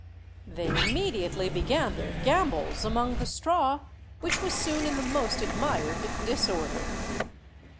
They immediately began their gambols among the straw, which was soon in the most admired disorder.